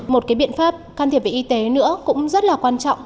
một cái biện pháp can thiệp về y tế nữa cũng rất là quan trọng